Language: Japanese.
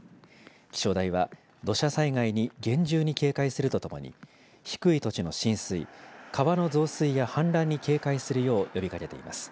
気象台は土砂災害に厳重に警戒するとともに低い土地の浸水川の増水や氾濫に警戒するよう呼びかけています。